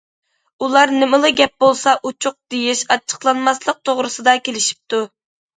ئۇلار نېمىلا گەپ بولسا ئوچۇق دېيىش، ئاچچىقلانماسلىق توغرىسىدا كېلىشىپتۇ.